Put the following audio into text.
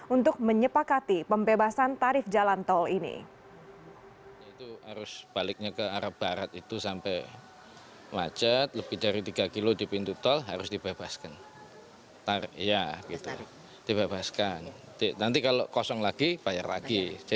untuk menyepakati pembebasan tarif jalan tol ini